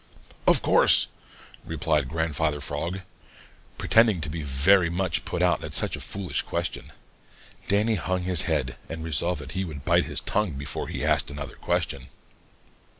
"Of course," replied Grandfather Frog, pretending to be very much put out at such a foolish question. Danny hung his head and resolved that he would bite his tongue before he asked another question.